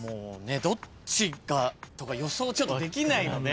どっちがとか予想ちょっとできない。